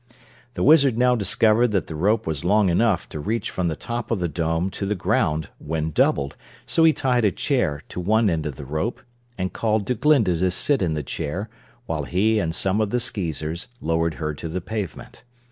The Wizard now discovered that the rope was long enough to reach from the top of the Dome to the ground when doubled, so he tied a chair to one end of the rope and called to Glinda to sit in the chair while he and some of the Skeezers lowered her to the pavement.